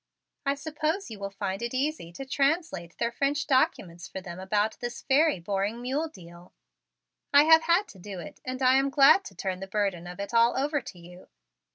I suppose you will find it easy to translate their French documents for them about this very boring mule deal. I have had to do it and I am glad to turn the burden of it all over to you.